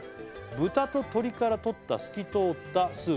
「豚と鶏からとった透き通ったスープ」